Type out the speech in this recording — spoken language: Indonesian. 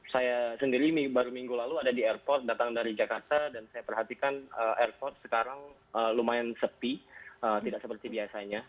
saya sendiri baru minggu lalu ada di airport datang dari jakarta dan saya perhatikan airport sekarang lumayan sepi tidak seperti biasanya